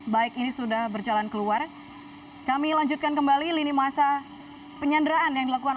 baik ini sudah berjalan keluar kami lanjutkan kembali lini masa penyanderaan yang dilakukan